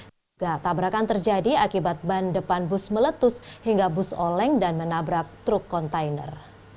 juga tabrakan terjadi akibat ban depan bus meletus hingga bus oleng dan menabrak truk kontainer